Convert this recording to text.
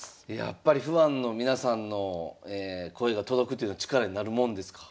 やっぱりファンの皆さんの声が届くというのは力になるもんですか？